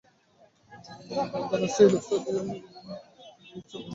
গ্রন্থনা সৈয়দা সাদিয়া শাহরীনভোগ ম্যাগাজিন ও e news অবলম্বনে